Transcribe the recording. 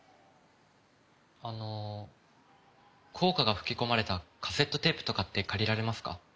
あの校歌が吹き込まれたカセットテープとかって借りられますか？